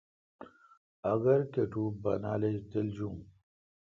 اگر کٹو بانال ایج تِل جون۔